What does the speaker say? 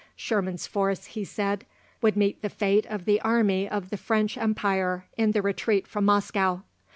Sherman's force, he said, "would meet the fate of the army of the French Empire in the retreat from Moscow.